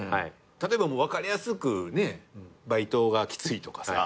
例えば分かりやすくバイトがきついとかさないやん。